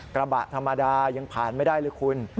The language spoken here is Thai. กระบะธรรมดายังผ่านไม่ได้เลยคุณ